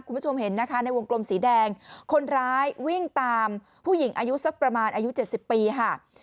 คุณผู้ชมเห็นนะคะในวงกลมสีแดงคนร้ายวิ่งตามผู้หญิงอายุสักประมาณอายุเจ็ดสิบปีค่ะ